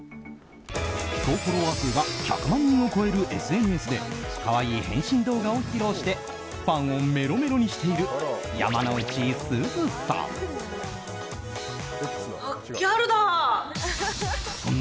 総フォロワー数が１００万人を超えるＳＮＳで可愛い変身動画を披露してファンをメロメロにしている山之内すずさん。